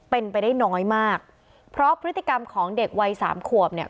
เป็นไปได้น้อยมากเพราะพฤติกรรมของเด็กวัยสามขวบเนี่ย